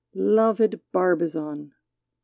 Loved Barbizon !